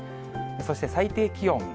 そして、最低気温。